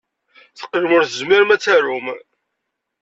Teqqlem ur tezmirem ad tarum.